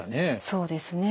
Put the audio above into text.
そうですね。